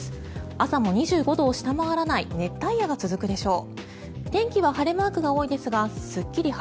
朝も２５度を下回らない熱帯夜が続くでしょう。